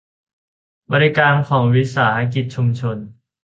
บริการของวิสาหกิจชุมชน